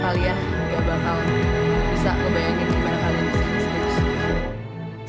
kalian juga bakal bisa kebayangin bagaimana kalian bisa disini